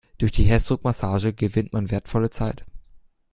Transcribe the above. Durch die Herzdruckmassage gewinnt man wertvolle Zeit.